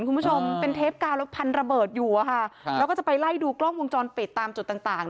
คุณผู้ชมเป็นเทปกาวแล้วพันระเบิดอยู่แล้วก็จะไปไล่ดูกล้องวงจรปิดตามจุดต่างต่าง